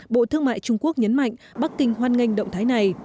bộ thương mại trung quốc nhấn mạnh bắc kinh hoan nghênh động thái này